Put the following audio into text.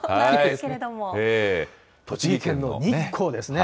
栃木県の日光ですね。